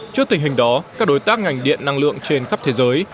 trước tình hình đó các đối tác ngành điện năng lượng trên khắp thế giới